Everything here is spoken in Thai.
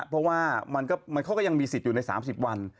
เพราะว่าเขาก็ยังมีสิทธิ์อยู่ใน๓๐วัน